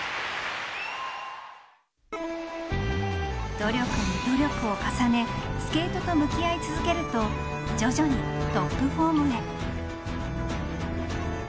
努力に努力を重ねスケートと向き合い続けると徐々にトップフォームへ。